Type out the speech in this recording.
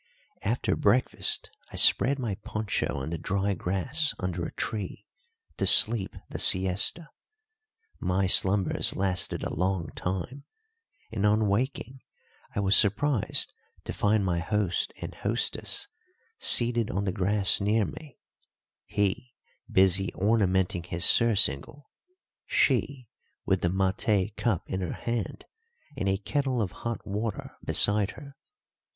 After breakfast I spread my poncho on the dry grass under a tree to sleep the siesta. My slumbers lasted a long time, and on waking I was surprised to find my host and hostess seated on the grass near me, he busy ornamenting his surcingle, she with the maté cup in her hand and a kettle of hot water beside her.